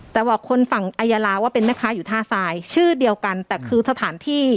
แต่บอกคนฝั่งอายาลาว่าเป็นแม่ค้าอยู่ท่าทรายชื่อเดียวกันแต่คือสถานที่